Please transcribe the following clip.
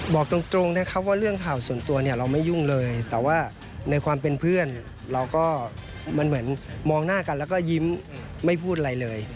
บอกตรงนะครับว่าเรื่องข่าวส่วนตัวเนี่ยเราไม่ยุ่งเลยแต่ว่าในความเป็นเพื่อนเราก็มันเหมือนมองหน้ากันแล้วก็ยิ้มไม่พูดอะไรเลย